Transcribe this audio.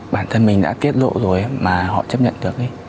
bản thân mình đã tiết lộ rồi mà họ chấp nhận được